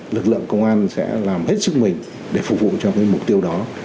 lực lượng công an sẽ làm hết sức mình để phục vụ cho cái mục tiêu đó